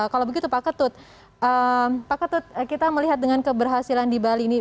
kalau begitu pak ketut pak ketut kita melihat dengan keberhasilan di bali ini